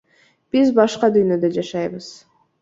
Биз башка дүйнөдө жашайбыз.